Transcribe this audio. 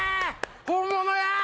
本物や！